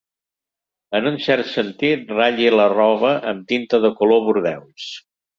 En un cert sentit, ratlli la roba amb tinta de color bordeus.